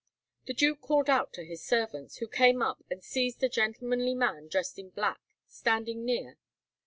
The duke called out to his servants, who came up and seized a gentlemanly man dressed in black standing near.